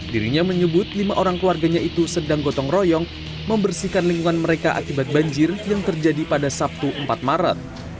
dirinya menyebut lima orang keluarganya itu sedang gotong royong membersihkan lingkungan mereka akibat banjir yang terjadi pada sabtu empat maret